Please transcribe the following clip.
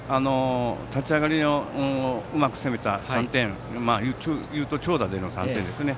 立ち上がりをうまく攻めた長打での３点ですね。